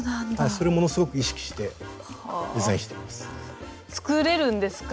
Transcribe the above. それをものすごく意識してデザインしています。